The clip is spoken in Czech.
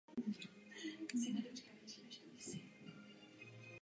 Útok je tedy možný pouze dokud je sezení aktivní.